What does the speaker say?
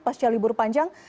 pasca libur panjang